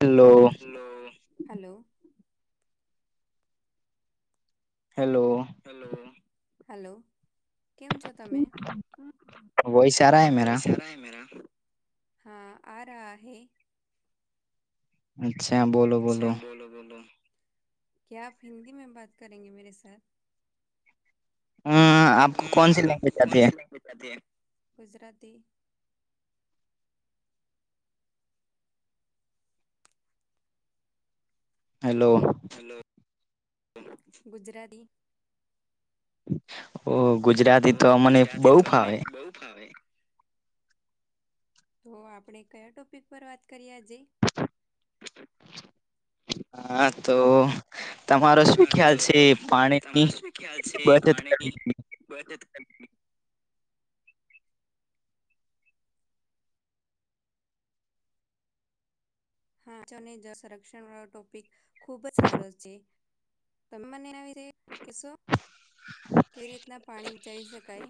Hello હ hello hello હ hello કેમ છ તમે હા આ હૈ અચ્છા બ અચ્છા બોલોલો બોલો ક્યા આપ હિન્દી મે બાત કરેગે મેરે સા હમ આપ કોનસી લેંગ્વેજ આતી હે ગુજરાતી હેલો હલો ગુજરાતી ઓ ગુજરાતી તો મને બઉ હ તો આપડણે કયા ટોપિક પર વાત કરીએ આજે હા તો તમારો શું ખ્યાલ છે પાણીની બચત કરવી કો [inaudible] હોને સંરક્ષણ વાળો ટોપિક ખુબ જ સારો છે તમે મને એના વિશે કશો કેવી રીતના પાણી ઉચારી શકાય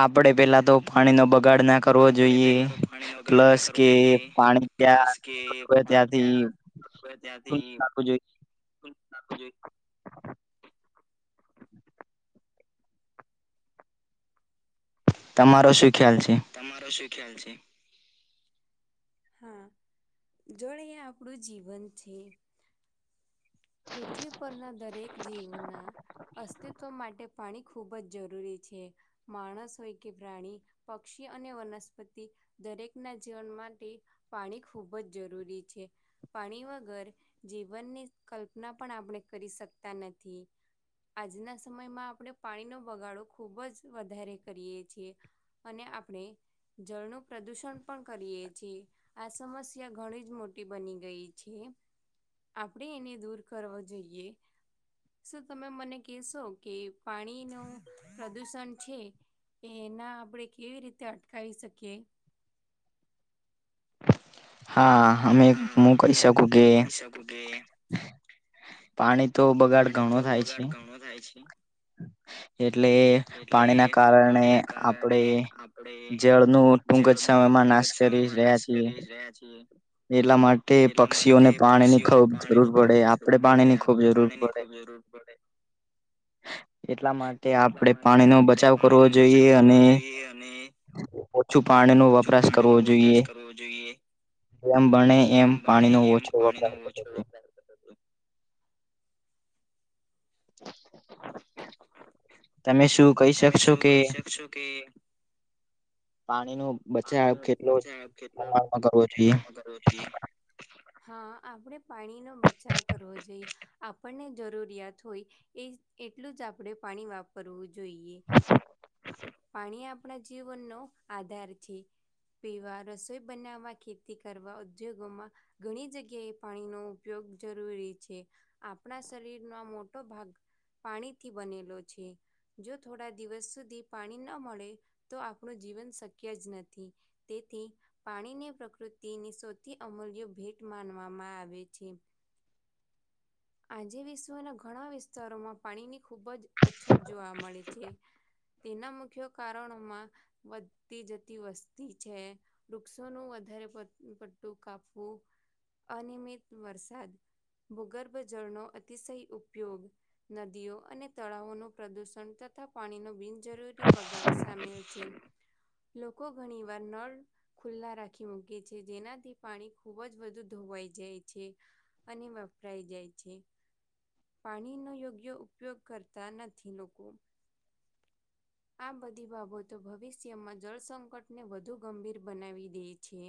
આપડે પેલા તો પાણી નો બગાડ નાખ કરવો જોઈએ પ્લસ કે પાણી ત્યાંતું ત્યાંથી નાખું જોઈ નાખ જોઈ તમારો શું ખ્યાલ છે તમારો શું ખ્યાલ છે હા જોડ એ આપણું જીવન છે પૃથ્વી પરના દરેક જીવના અસ્તિત્વ માટે પાણી ખૂબ જ જરૂરી છે માણસ હોય કે પ્રાણી પક્ષી અને વનસ્પતિ દરેકના જીવન માટે પાણી ખૂબ જ જરૂરી છે પાણી વગર જીવનની કલ્પના પણ આપણે કરી શકતા નથી આજના સમયમાં આપણે પાણીનો બગાડો ખુબ જ વધારે કરીએ છીએ અને આપણે જળનું પ્રદુષણ પણ કરીએ છીએ આ સમસ્યા ઘણી જ મોટી બની ગઈ છે આપડે એને દૂર કરવો જોઈએ. શું તમે મને કશો કે પાણી નું પ્રદુષણ છે કે એના આપડે કેવી રીતે અટકાવી શકીએ. હા, અમે હું કહી શકું કે ગુતે [inaudible] પાણી તો બગાડ ઘણો થાય છે એટલે પાણીના કારણે આપણેે જળનું ટૂક જ સમયમાં નાશ કરી રહ્યા છીએ એટલા માટે પક્ષીઓને પાણી ની ખૂબ જરૂર પડે આપડે પડે આપડે પાણી ની ખુબ જરૂર પડે એટલા માટે આપણેે પાણીનોો બચાવ કરવો જોઈએ અને ઓછું પાણીનો વપરાશ કરવો જોઈએ. જેમ બણે એમ પાણીનો ઓછો વપરાશ કરવો જોઈએ. તમે શું કહી શકશો કે પાણી નો બચાવ કેટલો [inaudible] માં કરવો જોઈએ. તો જોઈએ. હા, આપડે પાણીનો બચાવ કરવો જોઈએ. આપણને જરૂરિયાત હોય. એસ એટલું જ આપડે પાણી વાપ કરવું જોઈએ પાણી આપણા જીવનનો આધાર છે. પીવા રસોઈ બનાવવા ખેતી કરવા ઉદ્યોગોમાં ઘણી જગ્યાએ પાણીનો ઉપયોગ જરૂરી છે. આપણા શરીરનો મોટો ભાગ પાણીથી બનેલો છે. જો થોડા દિવસ સુધી પાણી ન મલે તો આપણું જીવન શક્ય જ નથી. તેથી પાણીને પ્રકૃતિની સૌથી અમૂલ્ય ભેટ માનવામાં આવે છે. આજે વિશ્વના ઘણા વિસ્તારોમાં પાણીની ખૂબ જ અછત જોવા મળે છે. તેના મુખ્ય કારણોમાં વધતી જતી વસ્તી છે. વૃક્ષોનું વધારે પટ-પટ્ટું કાપવું અનિયમિત વરસાદ ભૂગર્ભ જળનો અતિશય ઉપયોગ નદીઓ અને તળાવોનું પ્રદૂષણ તથા પાણીનો બિન જરૂરી બગાડ સામેલ છે લોકો ઘણી વાર નળ ખુલ્લા રાખી મૂકે છે જેનાથી પાણી ખુબ જ વધુ ધોવાઈ જાય છે. અને વપરાઈ જાય છે. પાણીનો યોગ્ય ઉપયોગ કરતા નથી લોકો. આ બધી બાબતો ભવિષ્યમાં જળ સંંકટને વધુ ગંભીર બનાવી દે છે.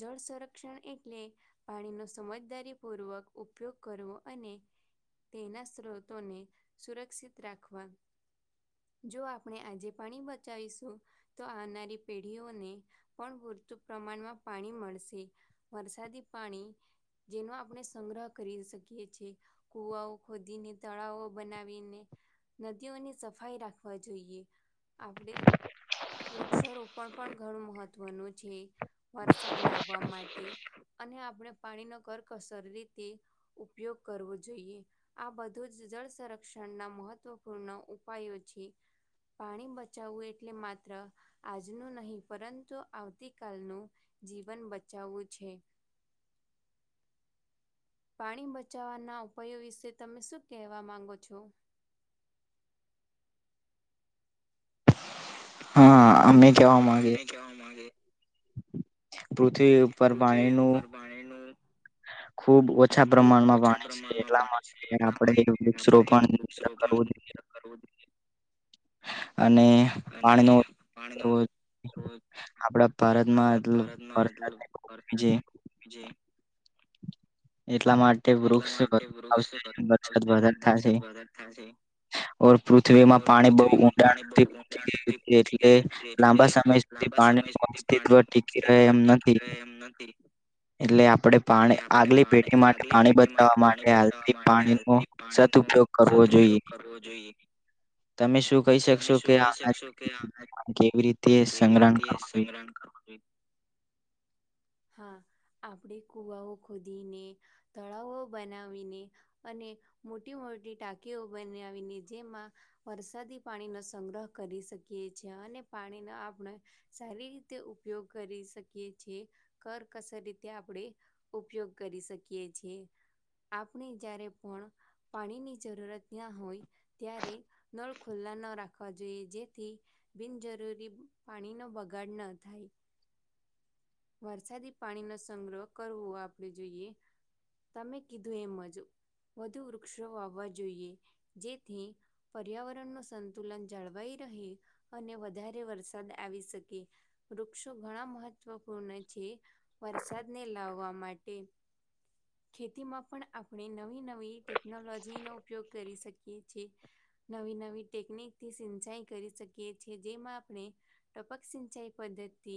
જળ સંરક્ષણ એટલે પાણીનો સમજદારી પૂર્વક ઉપયોગ કરવો અને તેના સ્ત્રોતોને સુરક્ષિત રાખવા જો આપણે આજે પાણી બચાવીશું તો આવનારી પેઢીઓને પણ પૂરતું પ્રમાણમાં પાણી મળશે વરસાદી પાણી જેનો આપણે સંગ્રહ કરી શકીએ છીએ. કુવાઓ ખોદીને તળાવો બનાવીને નદીઓની સફાઈ રાખવા જોઈએ આપડે વૃક્ષારોપણ પણ ઘણું મહત્વનું છે વરસાદ લાભ વા માટે અને આપડે પાણી ન કરકસર રીતે ઉપયોગ કરવો જોઈએ. આ બધું જ જળ સંરક્ષણના મહત્વપૂર્ણ ઉપાયો છે. પાણી બચાવવું એટલે માત્ર આજનું નહીં પરંતુ આવતી કાલનું જીવન બચાવવું છે. પાણી બચાવવાના ઉપાયો વિશે તમે શું કહેવા માંગો છો? હા, અમે કેવા માંગે જવા ગે પૃથ્વી ઉપર પાણી નું ખુબ ઓછા પ્રમાણમાં વાણી છે એટલા માટે આપે વૃક્ષરોપણ કરવું જોઈએ હ. અને પાણીનો રો આપડા ભારતમાં આટલો વરસાદ દેખો [inaudible] જે એટલા માટે વૃક્ષ [inaudible] થાય છે. ઓર પૃથ્વીમાં પાણી બહુ ઊંડાણથી પચી [inaudible] એટલે લાંબા સમય કે પાણી નું અસ્તિત્વ ટીકી રહે એમ નથી. એટલે આપે પાણી આગલી પેઢી માટે પાણી પાણી બચવવા માટે હાલથી પાણીનો સદઉપયોગ કરવો જોઈએ. તમે શું કહી શકશો કે આવનારી કેવી રીતે સંગ્રહ કરવ જોઈએ. કરવું જોઈએ હા આપણેે કુવાઓ ખોદીને તળાવો બનાવીને અને મોટી મોટી ટાંકીઓ બનાવીને જેમાં. વરસાદી પાણીનો સંગ્રહ કરી શકીએ છીએ અને પાણીને આપણે સારી રીતે ઉપયોગ કરી શકીએ છીએ. કરકસર રીતે આપણેે ઉપયોગ કરી શકીએ છીએ. આપણે જારે પણ પાણીની જરૂરત ના હોય. ત્યારે નળ ખુલ્લા ન રાખવા જોઈએ જેથી બિનજરૂરી પાણી નો બગાડ ન થાય. વરસાદી પાણી નો સંગ્રહ કરવો આપડે જોઈએ તમે કીધું એમજ વધુ વૃક્ષો વાવવા જોઈએ જેથી. પર્યાવરણ ન સંતુલન જળવાઈ રહે અને વધારે વરસાદ આવી શકે. વૃક્ષો ઘણા મહત્વપૂર્ણ છે વરસાદને લાવવા માટે. ખેતીમાં પણ આપણે નવી નવી ટેકનોલોજીનો ઉપયોગ કરી શકીએ છીએ. નવી નવી ટેકનિકથી સિંચાઈ કરી શકીએ છ છેએ જેમાં આપણે ટપક સિંચાઈ પદ્ધતિ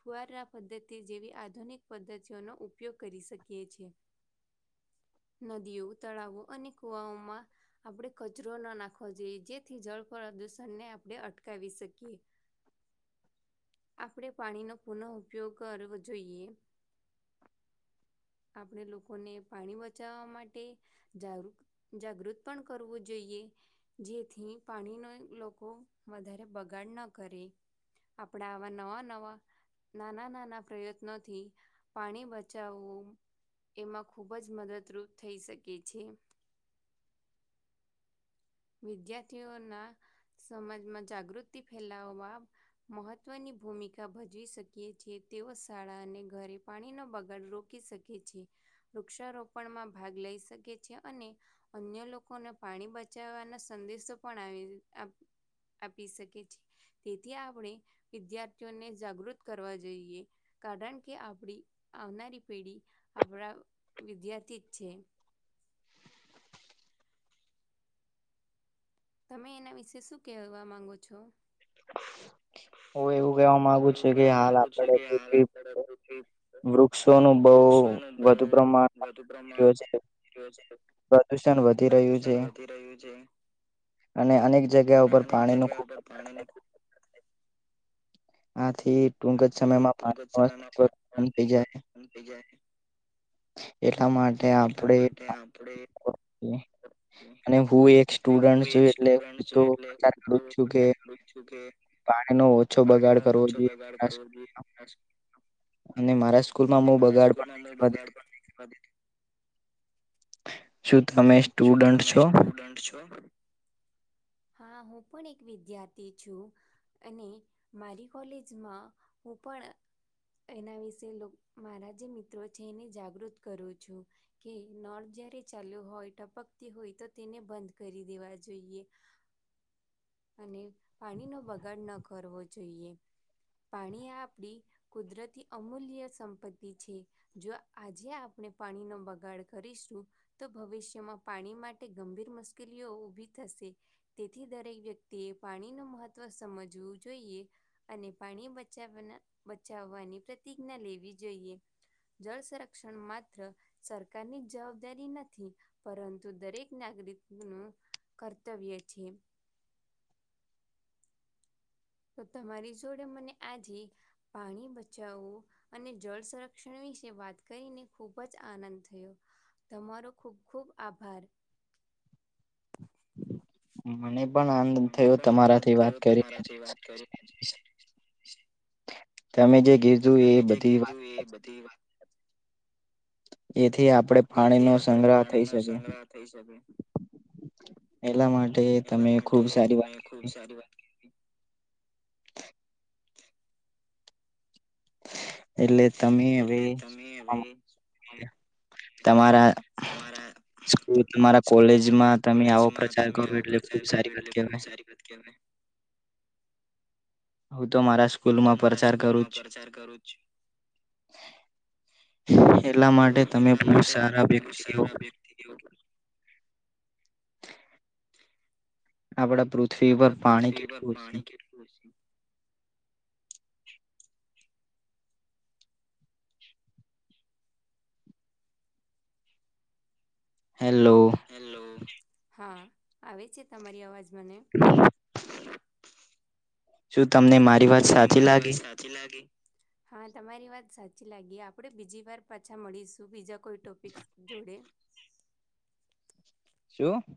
ફુવારા પદ્ધતિ જેવી આધુનિક પદ્ધતિઓનો ઉપયોગ કરી શકીએ છીએ. નદીઓ તળાવ હો અને કુવાઓમાં. આપણે કચરો ના નાખવો જોઈએ જેથી જળ પ્રદૂષણને આપણે અટકાવી શકીએ. [unintelligible] આપણે પાણીનો પુનઃ ઉપયોગ કરવો જોઈએ. આપણે લોકોને પાણી બચાવવા માટે જાગૃત જાગૃત પણ કરવું જોઈએ. જેથી પાણીનો લોકો વધારે બગાડ ન કરે. આપણા આવા નવા નવા નાના નાના પ્રયત્નોથી પાણી બચાવવું. એમાં ખૂબ જ મદદરૂપ થઈ શકે છે. વિદ્યાર્થીઓના સમાજમાં જાગૃતિ ફેલાવવા મહત્વની ભૂમિકા ભજવી શકીએ છેએ તેઓ શાળા અને ઘરે પાણીનો બગડ રૂપ કી શકિ છીએ વૃક્ષારોપણમાં ભાગ લઈ શકે છે અને અન્ય લોકોને પાણી બચ બચવાના સંદેશો પણ આવી આ આપી શકે છે. તેથી આપણે વિદ્યાર્થીઓને જાગૃત કરવા જઈએ. કારણ કે આપડી આવનારી પેઢી આપણા વિદ્યાર્થી જ છે તમે એના વિશે શું કહેવા માંગો છો. હું એવું કેવા માંગુ છું કે હાલ આપણે વૃક્ષોનું બહુ વધુ પ્રમાણ [inaudible] છે શ છે પ્રદુષણ વધી રહ્યું છે અને અનેક જગ્યા ઉપર પાણી નું ખુબ પાણી નો ખુબ આથી ટૂક જ સમયમાં પા [unintelligible] થઈ જાય એટલા માટે આપણે અને હું એક સ્ટુડન્ટ છું એટલે હું તો જાગૃત છું કે. જો કે પાણી નો ઓછો બગાડ કરવો. છો બગાડ કરવો જોઈએ અને મહારાષ્ટ્ર અને મારા સ્કૂલ માં એનો બગાડ પણ નહીં શું તમે શું તમે સ્ટુડન્ટ છો? હા હું પણ એક વિદ્યાર્થી છું. અને મારી કોલેજમાં હું પણ એના વિશે મારા જે મિત્રો છે એને જાગૃત કરું છું. કે નળ જયારે ચાલ્યો હોય ટપકતી હોય તો તેને બંધ કરી દેવા જોઈએ. અને પાણીનો બગાડ ન કરવો જોઈએ. પાણીએ આપડી કુદરતી અમૂલ્ય સંપત્તિ છે. જો આજે આપણે પાણીનો બગાડ કરીશું તો ભવિષ્યમાં પાણી માટે ગંભીર મુશ્કેલીઓ ઉઊભી થશે તેથી દરેક વ્યક્તિ તી એ પાણી નો મહત્વ સમજવું જોઈએ અને પાણી બચાવના બચાવવાની પ્રતિજ્ઞા લેવી જોઈએ. જળ સંરક્ષણ માત્ર સરકારની જ જવાબદારી નથી પરંતુ દરેક નાગરિક નું કર્તવ્ય છે તો તમારી જોડે મને આજે પાણી બચાવવું અને જળ સંરક્ષણ વિશે વાત કરીને ખુબ જ આનંદ થયો. તમારો ખુબ ખુબ આભાર. મને પણ આનંદ થયો તમારાથી વાત કરી [unintelligible] તમે જે ઘીજો એ બધી વાત એથી આપણેે પાણી નો સંગ્રહ થઈ શકે. એલા માટે તમે ખુબ સારી વાત ખુબ સારી વાત એટલે તમે એટલે તમે હવે તમારા [unintelligible] તમારા કોલેજમાં તમે આવો પ્રચાર કરો એટલે ખુબ સારી વાત કહેવાય. હું તો મારા સ્કૂલમાં પ્રચાર કરું છું. એટલા માટે તમે બહુ સારા વ્યક્તિ [unintelligible] [unintelligible] આપડા પૃથ્વી ઉપર પાણી કેટલું છે [unintelligible] હેલો, હા આવે છે, તમારી અવાજ મને? [inaudible] શું તમને એ શું તમને મારી વાત સા હા તમારી વાત સાચી લાગી, આપડે બીજી વાર પાછા મળીશું બીજા કોઈ ટોપિક્સ જોડે. શું?